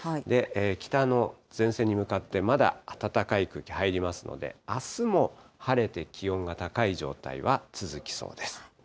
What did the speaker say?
北の前線に向かって、まだ暖かい空気入りますので、あすも晴れて気温が高い状態は続きそうです。